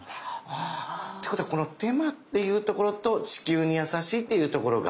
は。ってことはこの手間っていうところと地球に優しいっていうところが。